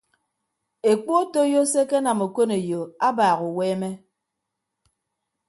Ekpu otoiyo se ekenam okoneyo abaak uweeme.